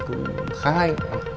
cũng khá hay